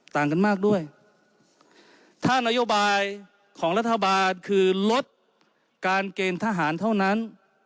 ต่างกันมากด้วยถ้านโยบายของรัฐบาลคือลดการเกณฑ์ทหารเท่านั้น